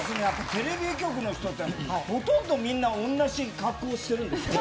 テレビ局の人ほとんどみんな同じ格好しているんですね。